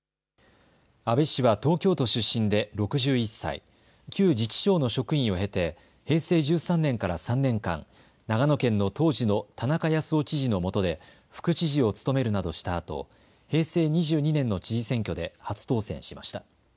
阿部氏は東京都出身で６１歳、旧自治省の職員を経て平成１３年から３年間、長野県の当時の田中康夫知事のもとで副知事を務めるなどしたあと平成２２年の知事選挙で初当選しました。